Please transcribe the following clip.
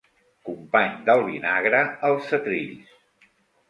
Company del vinagre als setrills.